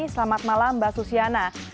selamat malam mbak susiana